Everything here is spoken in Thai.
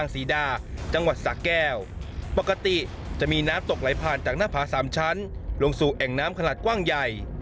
ซึ่งปกติจะมีน้ำตกไหลผ่านจากหน้าผาสามชั้นลงสู่แห่งน้ำขนาดกว้างใหญ่